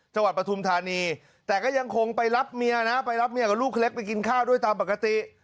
ปฐุมธานีแต่ก็ยังคงไปรับเมียนะไปรับเมียกับลูกเล็กไปกินข้าวด้วยตามปกติ